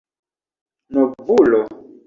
novulo